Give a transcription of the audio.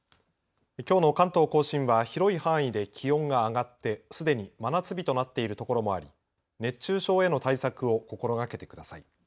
きょうの関東甲信は広い範囲で気温が上がって、すでに真夏日となっているところもあり熱中症への対策を心がけてください。